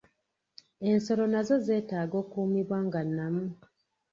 Ensolo nazo zeetaaga okuumibwa nga nnamu.